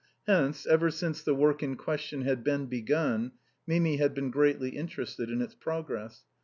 Hence, ever since the work in question had been begun, Mimi had been greatly in terested in its progress.